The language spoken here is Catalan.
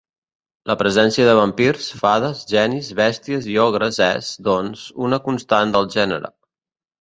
La presència de vampirs, fades, genis, bèsties i ogres és, doncs, una constant del gènere.